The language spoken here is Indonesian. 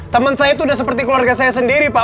temen saya itu udah seperti keluarga saya sendiri pak